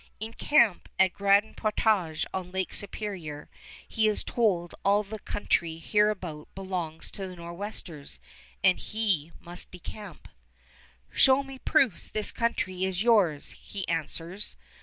In camp at Grand Portage on Lake Superior he is told all the country hereabout belongs to the Nor'westers, and he must decamp. "Show me proofs this country is yours," he answers.